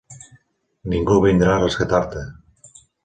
Ningú vindrà a rescatar-te.